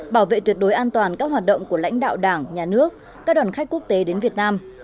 bảo vệ tuyệt đối an toàn các hoạt động của lãnh đạo đảng nhà nước các đoàn khách quốc tế đến việt nam